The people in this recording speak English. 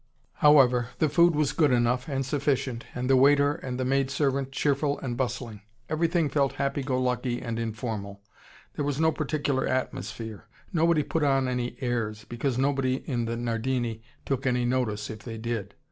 However, the food was good enough, and sufficient, and the waiter and the maid servant cheerful and bustling. Everything felt happy go lucky and informal, there was no particular atmosphere. Nobody put on any airs, because nobody in the Nardini took any notice if they did.